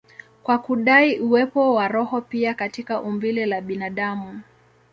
kwa kudai uwepo wa roho pia katika umbile la binadamu.